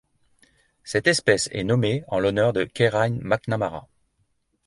Cette espèce est nommée en l'honneur de Keiran McNamara.